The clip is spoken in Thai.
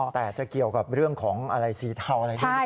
แต่จะเกี่ยวกับเรื่องของอะไรสีเทาอะไรไหม